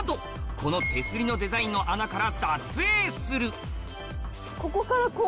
この手すりのデザインの穴から撮影するここからこう。